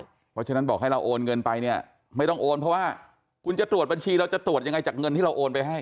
เพราะฉะนั้นบอกให้เราโอนเงินไปเนี่ยไม่ต้องโอนเพราะว่าคุณจะตรวจบัญชีเราจะตรวจยังไงจากเงินที่เราโอนไปให้